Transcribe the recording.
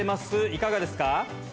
いかがですか？